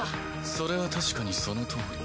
それは確かにそのとおり。